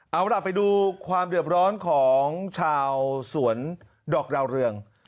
เอาล่ะไปดูความเดือบร้อนของชาวสวนดอกดาวเรือง